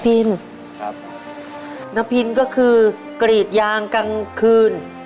น้าพินก็คือกรีดยางกลางคืน